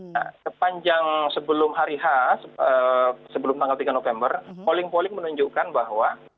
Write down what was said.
nah sepanjang sebelum hari khas sebelum tanggal tiga november polling polling menunjukkan bahwa